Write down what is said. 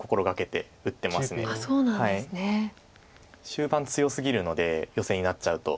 終盤強すぎるのでヨセになっちゃうと。